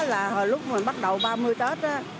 là lúc mình bắt đầu ba mươi tết á